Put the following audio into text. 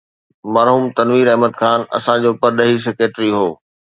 مرحوم تنوير احمد خان اسان جو پرڏيهي سيڪريٽري هو.